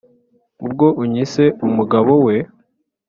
Ubwo unyise umugabo we